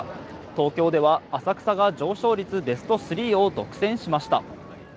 東京では浅草が上昇率ベスト３を独占しました。